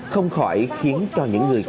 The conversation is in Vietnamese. không khỏi khiến cho những người